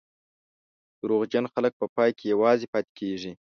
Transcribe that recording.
دروغجن خلک په پای کې یوازې پاتې کېږي.